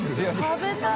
食べたい。